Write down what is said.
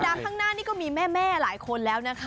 ข้างหน้านี่ก็มีแม่หลายคนแล้วนะคะ